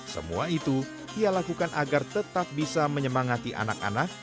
semua itu ia lakukan agar tetap bisa menyemangati anak anak